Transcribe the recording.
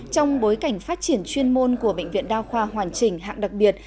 trong bối cảnh phát triển chuyên môn của bệnh viện đa khoa hoàn chỉnh hạng đặc biệt